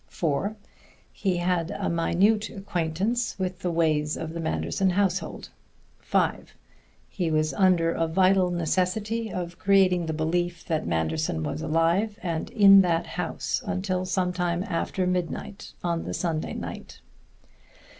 (4) He had a minute acquaintance with the ways of the Manderson household. (5) He was under a vital necessity of creating the belief that Manderson was alive and in that house until some time after midnight on the Sunday night.